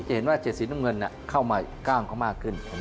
เห็นว่าเจ็ดสีน้ำเงินเข้ามากล้ามเขามากขึ้น